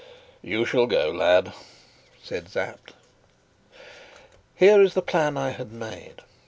"You shall go, lad," said Sapt. Here is the plan I had made.